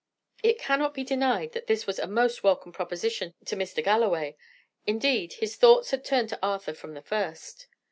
It cannot be denied that this was a most welcome proposition to Mr. Galloway; indeed, his thoughts had turned to Arthur from the first.